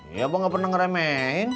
iya bang gak pernah ngeremehin